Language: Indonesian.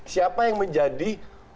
siapa yang menjadi